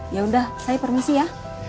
ya udah saya permisi ya